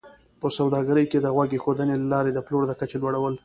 په سوداګرۍ کې د غوږ ایښودنې له لارې د پلور د کچې لوړول